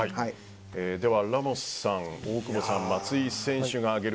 ではラモスさん大久保さん、松井選手の挙げる